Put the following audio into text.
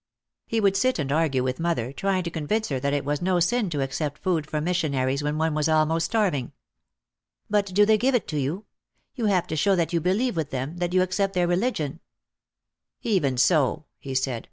He would sit and argue with mother, trying to con vince her that it was no sin to accept food from mis sionaries when one was almost starving. "But do they give it to you? You have to show that you believe with them, that you accept their religion." 162 OUT OF THE SHADOW "Even so," he said.